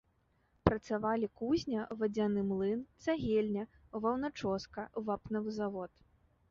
Працавалі кузня, вадзяны млын, цагельня, ваўначоска, вапнавы завод.